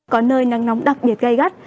có nơi nắng nóng đặc biệt gây gắt